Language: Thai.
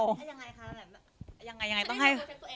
ต้องให้